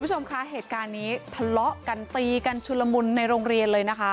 คุณผู้ชมคะเหตุการณ์นี้ทะเลาะกันตีกันชุลมุนในโรงเรียนเลยนะคะ